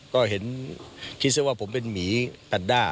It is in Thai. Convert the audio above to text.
ก็เห็นคิดซะว่าผมเป็นหมีแปดด้า